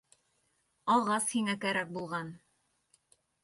Ағас һиңә кәрәк булған.